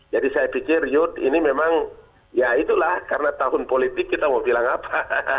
jadi saya pikir yudh ini memang ya itulah karena tahun politik kita mau bilang apa